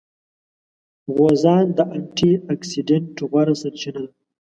غوزان د انټي اکسیډېنټ غوره سرچینه ده.